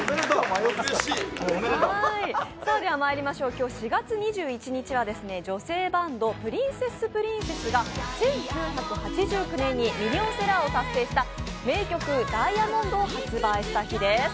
今日４月２１日は女性バンド、プリンセスプリンセスが１９８９年にミリオンセラーを達成した名曲「Ｄｉａｍｏｎｄｓ」を発売した日です。